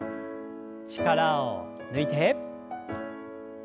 力を抜いて。